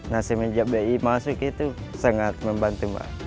nasib menjag bi masuk itu sangat membantu pak